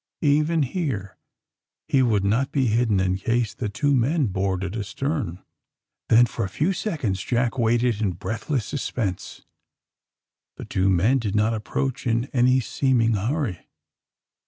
Even bere be would not be bidden in case tbe two men boarded astern. Tben, for a few seconds, Jack waited in breatbless suspense. Tbe two men did not approacb in any seeming hurry.